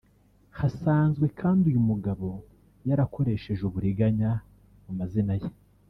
Hasanzwe kandi uyu mugabo yarakoresheje uburiganya mu mazina ye